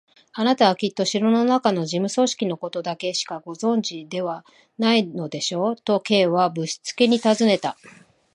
「あなたはきっと城のなかの事務組織のことだけしかご存じでないのでしょう？」と、Ｋ はぶしつけにたずねた。